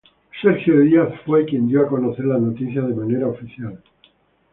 Sergio Díaz fue quien dio a conocer la noticia de manera oficial.